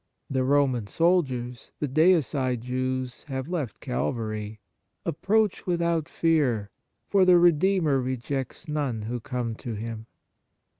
The Roman soldiers, the deicide Jews, have left Calvary ; approach without fear, for the Redeemer rejects none who come to Him.